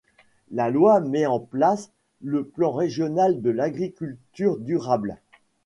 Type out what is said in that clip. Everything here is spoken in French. La loi met en place le plan régional de l’agriculture durable.